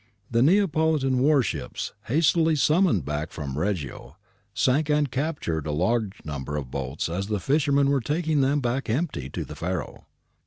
The Neapolitan war ships, hastily summoned back from Reggio, sank and captured a large number of the boats as the fishermen were taking them back empty to the Faro.